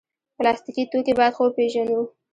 پلاستيکي توکي باید ښه وپیژنو.